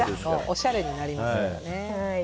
おしゃれになりますよね。